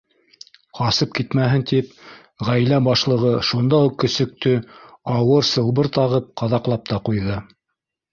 Ҡасып китмәһен тип, ғаилә башлығы шунда уҡ көсөктө ауыр сылбыр тағып, ҡаҙаҡлап та ҡуйҙы.